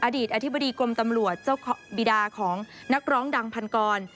อดีตอธิบดีกรมตำรวจเจ้าบีดาของนักร้องดังพันกร